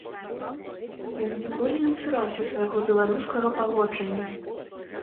Ён ніколі не цураўся свайго беларускага паходжання.